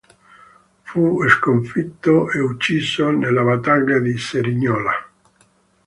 Fu sconfitto e ucciso nella battaglia di Cerignola.